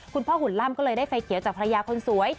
คุณพ่อหุ่นล่ำก็เลยได้ไฟเขียวจากภรรยาคนสวย